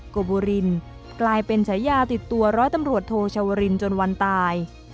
โกบุรินกลายเป็นฉายาติดตัวร้อยตำรวจโทชาวรินจนวันตาย